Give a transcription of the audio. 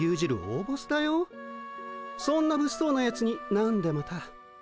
そんなぶっそうなやつになんでまた。